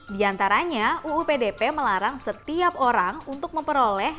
di antaranya uu pdp melarang setiap orang untuk memperoleh